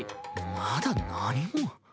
まだ何も。